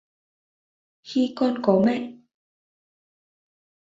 Khi con có mẹ